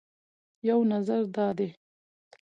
یو نظر دا دی